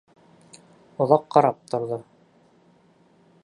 Оҙаҡ ҡарап торҙо.